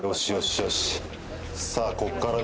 さあこっからね